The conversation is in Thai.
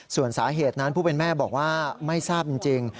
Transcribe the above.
ส่วนสาเหตุนั้นผู้เป็นแม่บอกว่าไม่ทราบจริง